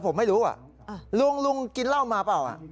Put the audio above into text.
ผมไม่รู้ลุงลุงกินเหล้ามาเปล่า